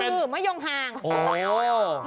มันคือมะยงห่าง